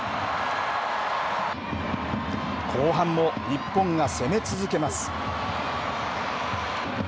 後半も日本が攻め続けます。